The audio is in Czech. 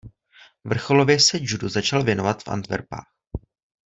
Vrcholově se judu začal věnovat v Antverpách.